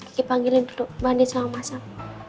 kiki panggilin dulu mbak andin sama mas al